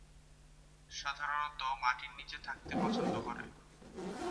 সাধারণত মাটির নিচে থাকতে পছন্দ করে।